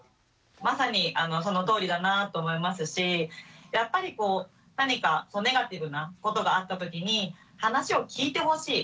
まさにそのとおりだなと思いますしやっぱりこう何かネガティブなことがあった時に話を聞いてほしい